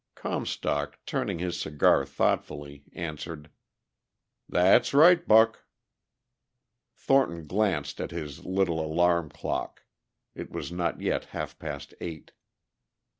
Comstock, turning his cigar thoughtfully, answered: "That's right, Buck." Thornton glanced at his little alarm clock. It was not yet half past eight.